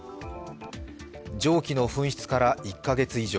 蒸気の噴出から１か月以上。